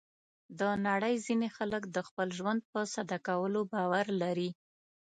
د نړۍ ځینې خلک د خپل ژوند په ساده کولو باور لري.